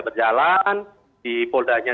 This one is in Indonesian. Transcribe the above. berjalan di polda nya